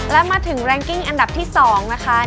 และมาถึงแรงกิ้งอันดับที่๒นะคะ